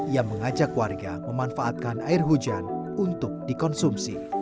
yang mengajak warga memanfaatkan air hujan untuk dikonsumsi